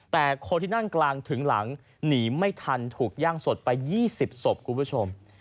แต่คนที่นั่งกลางถึงหลังหนีไม่ทันถูกย่างสดไป๒๐ศพคุณผู้ชม